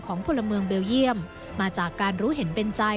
พลเมืองเบลเยี่ยมมาจากการรู้เห็นเป็นใจ